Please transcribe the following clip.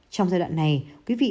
trong giai đoạn này quý vị